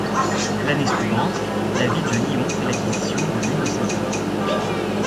L'année suivante, la Ville de Lyon fait l'acquisition de l'une de ses œuvres.